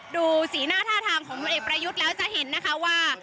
ดูสีหน้าท่าทางของพลเอกประยุทธ์แล้วจะเห็นนะคะว่า